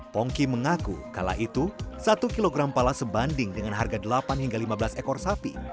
pongki mengaku kala itu satu kg pala sebanding dengan harga delapan hingga lima belas ekor sapi